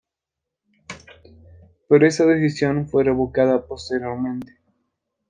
Pero esta decisión fue revocada posteriormente.